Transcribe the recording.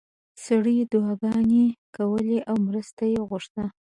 سړیو دعاګانې کولې او مرسته یې غوښته.